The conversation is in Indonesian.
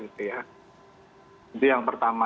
jadi yang pertama